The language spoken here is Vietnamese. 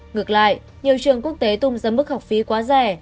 ngược lại nhiều trường quốc tế tung ra mức học phí quá rẻ